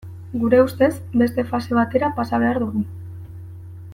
Gure ustez, beste fase batera pasa behar dugu.